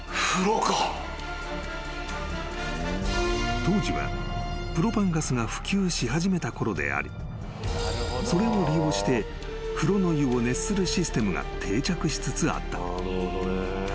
［当時はプロパンガスが普及し始めたころでありそれを利用して風呂の湯を熱するシステムが定着しつつあった］